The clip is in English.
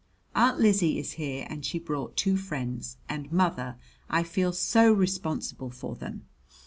Aunt Lizzie is here and she brought two friends, and, mother, I feel so responsible for them!